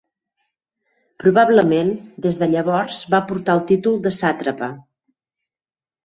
Probablement des de llavors va portar el títol de sàtrapa.